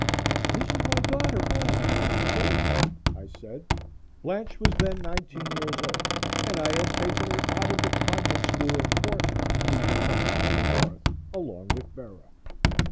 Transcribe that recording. "This is my daughter, Blanche, Mr. Gates," I said. Blanche was then nineteen years old, and I had taken her out of the Convent school in Portland to keep me company in the north, along with Bera.